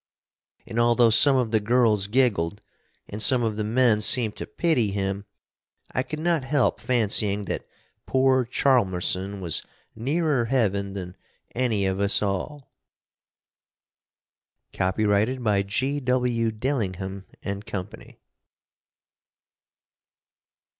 And although some of the girls giggled, and some of the men seemed to pity him, I could not help fancying that poor Chalmerson was nearer heaven than any of us all. Copyrighted by G. W. Dillingham and Company.